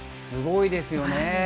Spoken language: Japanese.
すごいですよね。